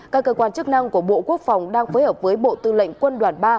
các cơ quan chức năng của bộ quốc phòng đang phối hợp với bộ tư lệnh quân đoàn ba